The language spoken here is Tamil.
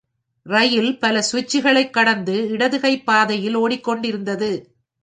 ரயில் பல சுவிட்சுகளை கடந்து இடது கை பாதையில் ஓடிக்கொண்டிருந்தது.